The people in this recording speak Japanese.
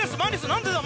何でだ？